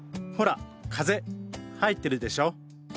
ほら「風」入ってるでしょ？